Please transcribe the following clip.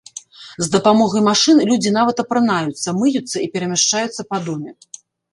З дапамогай машын людзі нават апранаюцца, мыюцца і перамяшчаюцца па доме.